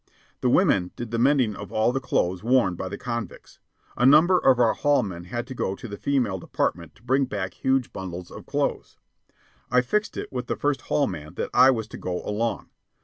The women did the mending of all the clothes worn by the convicts. A number of our hall men had to go to the female department to bring back huge bundles of clothes. I fixed it with the First Hall man that I was to go along.